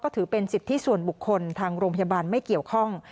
ถือเป็นสิทธิส่วนบุคคลทางโรงพยาบาลไม่เกี่ยวข้อง